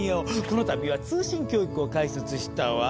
この度は通信教育を開設したわ。